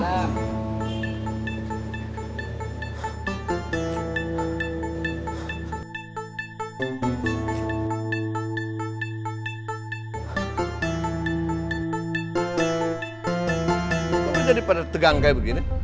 kok berdiri pada tegang kayak begini